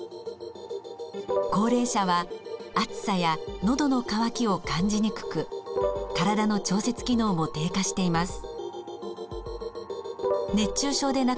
高齢者は暑さやのどの渇きを感じにくく体の調節機能も低下しています。